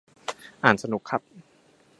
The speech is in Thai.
อ่านสนุกครับ